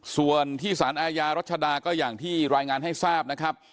ส่วนที่สารอาญารัชดาก็อย่างที่รายงานให้ทราบนะครับ